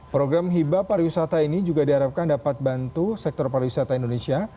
program hibah pariwisata ini juga diharapkan dapat bantu sektor pariwisata indonesia